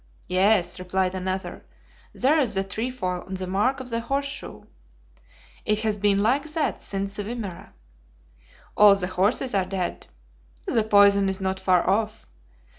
'Yes,' replied another, 'there is the trefoil on the mark of the horseshoe. It has been like that since the Wimerra.' 'All the horses are dead.' 'The poison is not far off.